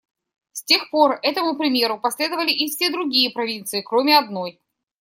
С тех пор этому примеру последовали и все другие провинции, кроме одной.